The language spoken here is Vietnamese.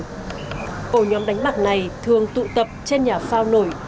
ổ nhóm đánh bạc này thường tụ tập trên nhà phao nổi